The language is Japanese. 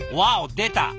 出た。